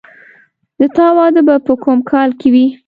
د تا واده به په کوم کال کې وي